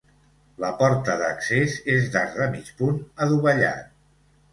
La porta d'accés és d'arc de mig punt adovellat.